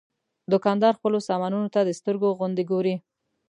دوکاندار خپلو سامانونو ته د سترګو غوندې ګوري.